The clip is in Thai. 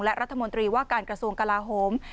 และรัฐมนตรีว่าการกระทรวงกลาโฮม